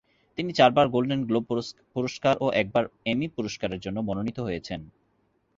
তিনি চারবার Golden Globe পুরস্কার ও একবার এমি পুরস্কারের জন্য মনোনীত হয়েছেন।